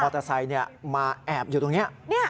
เตอร์ไซค์มาแอบอยู่ตรงนี้